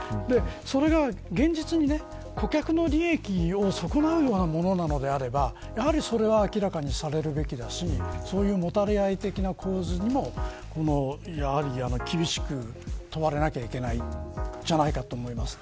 それが現実に、顧客の利益を損なうようなものであればそれは明らかにされるべきだしもたれ合い的な構図にも厳しく問われなければいけないんじゃないかと思います。